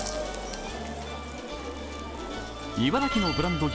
茨城のブランド牛